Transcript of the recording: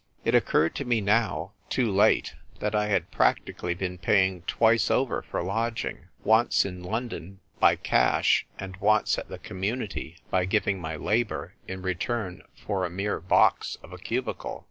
It occurred to me now (too late) that I had practically been paying twice over for lodging — once in London by cash, and once at the Community by giving my labour in return for a mere box of a cubicle.